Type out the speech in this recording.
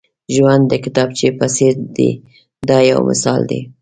ژوند د کتابچې په څېر دی دا یو مثال دی.